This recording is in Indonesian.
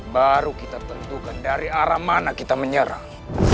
baru kita tentukan dari arah mana kita menyerang